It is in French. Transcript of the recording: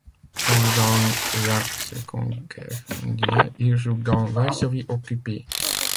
Pendant la Seconde Guerre mondiale il joue dans Varsovie occupée.